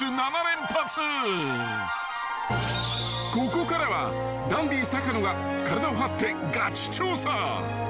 ［ここからはダンディ坂野が体を張ってがち調査］